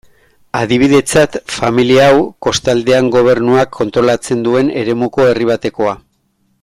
Adibidetzat, familia hau, kostaldean gobernuak kontrolatzen duen eremuko herri batekoa.